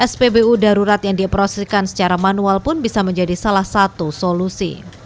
spbu darurat yang diproseskan secara manual pun bisa menjadi salah satu solusi